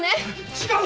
違う！